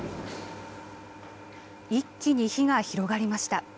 一気に火が広がりました。